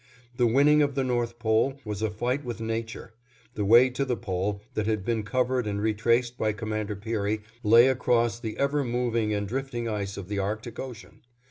The winning of the North Pole was a fight with nature; the way to the Pole that had been covered and retraced by Commander Peary lay across the ever moving and drifting ice of the Arctic Ocean.